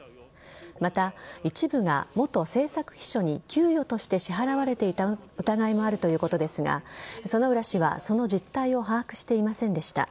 また一部が元政策秘書に給与として支払われていた疑いもあるということですが薗浦氏はその実態を把握していませんでした。